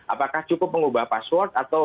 apakah cukup mengubah password atau